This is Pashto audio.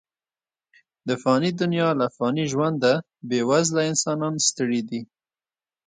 د فاني دنیا له فاني ژونده، بې وزله انسانان ستړي دي.